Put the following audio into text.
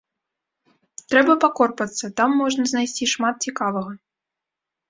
Трэба пакорпацца, там можна знайсці шмат цікавага.